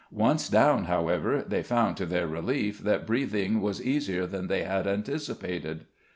Once down, however, they found to their relief that breathing was easier than they had anticipated.